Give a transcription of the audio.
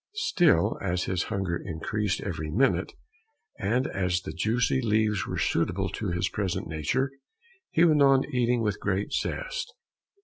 Still as his hunger increased every minute, and as the juicy leaves were suitable to his present nature, he went on eating with great zest.